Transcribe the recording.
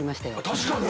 確かに。